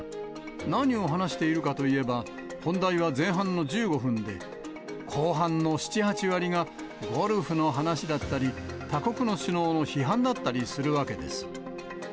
何を話しているかといえば、本題は前半の１５分で、後半の７、８割がゴルフの話だったり、他国の首脳の批判だったりするわけです。